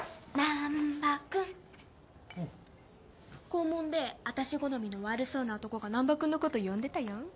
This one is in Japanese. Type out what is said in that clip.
校門であたし好みの悪そうな男が難破君のこと呼んでたよ。